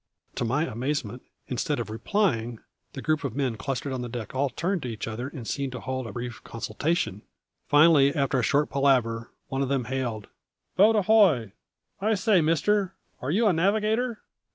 To my amazement, instead of replying, the group of men clustered on deck aft turned to each other and seemed to hold a brief consultation. Finally, after a short palaver, one of them hailed: "Boat ahoy! I say, mister, are you a navigator?"